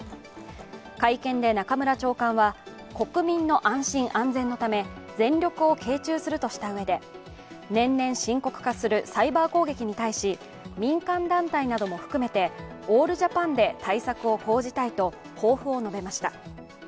会見で中村長官は国民の安心・安全のため全力を傾注するとしたうえで年々深刻化するサイバー攻撃に対し民間団体なども含めてオールジャパンで対策を講じたいと抱負を述べました。